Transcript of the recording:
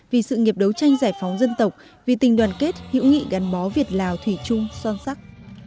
vì sự nghiệp đấu tranh giải phóng dân tộc vì tình đoàn kết hữu nghị gắn bó việt lào thủy chung son sắc